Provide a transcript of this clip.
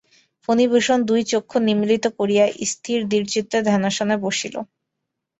ফণিভূষণ দুই চক্ষু নিমীলিত করিয়া স্থির দৃঢ়চিত্তে ধ্যানাসনে বসিল।